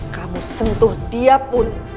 kamu sentuh dia pun